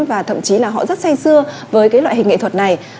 và thậm chí là họ rất say xưa với cái loại hình nghệ thuật này